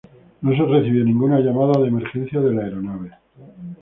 No se recibió ninguna llamada de emergencia de la aeronave.